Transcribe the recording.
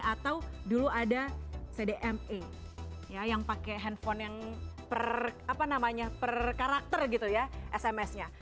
atau dulu ada cdma ya yang pakai handphone yang per karakter gitu ya sms nya